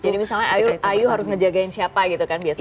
jadi misalnya ayu harus menjaga siapa gitu kan biasanya